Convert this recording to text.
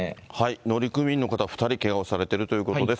乗組員の方２人けがをされているということです。